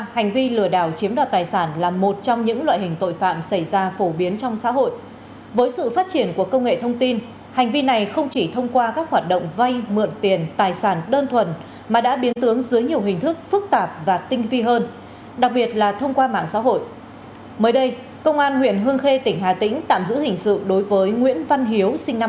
hãy đăng ký kênh để ủng hộ kênh của chúng mình nhé